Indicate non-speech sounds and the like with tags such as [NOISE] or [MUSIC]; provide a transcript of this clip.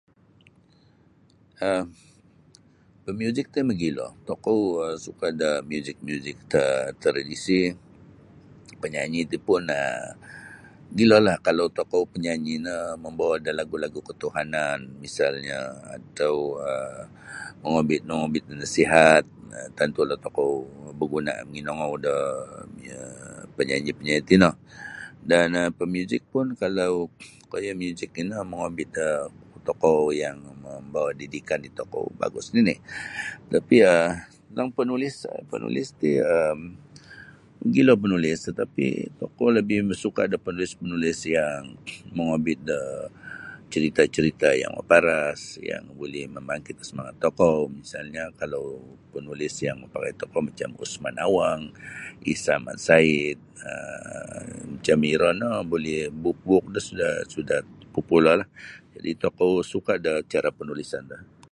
um Pamuzik ti mogilo tokou um suka da muzik-muzik tra-tradisi panyanyi ti pun um mogilo lah kalau tokou panyanyi no mambawa da lagu-lagu ketuhanan misalnyo um atau um mongobit-ngobit da nasihat um tantulah tokou baguna manginongou da iyo panyanyi-panyanyi tino dan um pamuzik pun kalau koyo muzik tino mongobit da tokou yang membawa didikan di tokou bagus nini tapi [NOISE] um panulis panulis ti um mogilo panulis tetapi tokou labih ma suka da panulis-panulis yang mongobit da cerita-cerita yang maparas yang buli mambangkit semangat tokou misalnyo kalau panulis yang mapakai tokou macam Osman Awang, Isa Mat Said um macam iro no buli buuk-buuknyo suda suda popularlah jadi tokou suka da cara panulisan do.